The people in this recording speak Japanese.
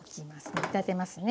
煮立てますね。